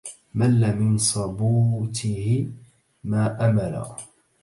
مل من صبوته ما أملا